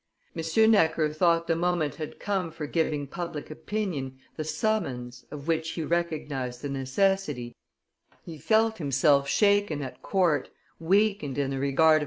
M. Necker thought the moment had come for giving public opinion the summons of which he recognized the necessity he felt himself shaken at court, weakened in the regard of M.